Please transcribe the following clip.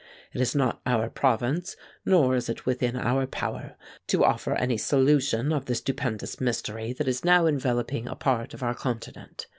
It is not our province nor is it within our power to offer any solution of the stupendous mystery that is now enveloping a part of our continent.